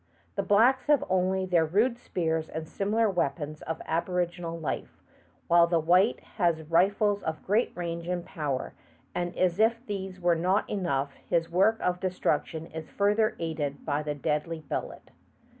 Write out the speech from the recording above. The blacks have only their rude spears and similar weapons of aboriginal life, while the white has rifles of great range and power, and as if these were not enough, his work of destruc tion is further aided by the deadly bullet.